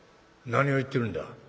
「何を言ってるんだ？」。